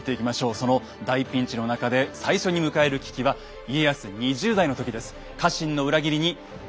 その大ピンチの中で最初に迎える危機は家康２０代の時です。